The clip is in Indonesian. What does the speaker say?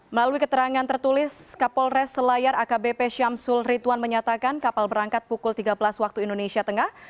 melalui keterangan tertulis kapolres selayar akbp syamsul rituan menyatakan kapal berangkat pukul tiga belas waktu indonesia tengah